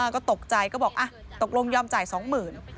ก็ตกใจก็บอกตกลงยอมจ่าย๒๐๐๐บาท